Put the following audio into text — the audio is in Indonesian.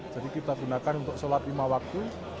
jadi kita gunakan untuk sholat imawaktu